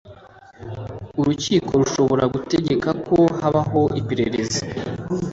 urukiko rushobora gutegeka ko habaho iperereza